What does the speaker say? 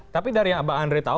tapi dari yang mbak andre tahu